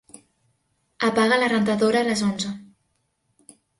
Apaga la rentadora a les onze.